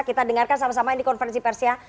kita dengarkan sama sama ini konferensi pers ya